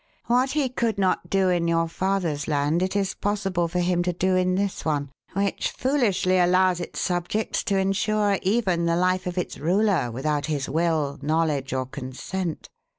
"What he could not do in your father's land it is possible for him to do in this one, which foolishly allows its subjects to insure even the life of its ruler without his will, knowledge, or consent.